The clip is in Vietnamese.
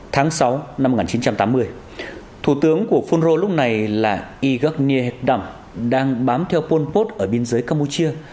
tháng sáu năm một nghìn chín trăm tám mươi thủ tướng của phun rô lúc này là y g d đang bám theo pol pot ở biên giới campuchia